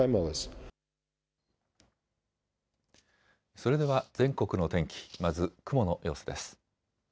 それでは全国の天気、まず雲の様子です。